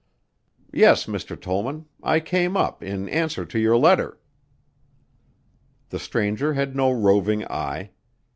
"Yes, Mr. Tollman, I came up in answer to your letter." The stranger had no roving eye.